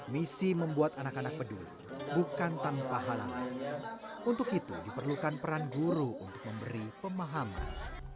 misi membuat anak anak peduli bukan tanpa halangan untuk itu diperlukan peran guru untuk memberi pemahaman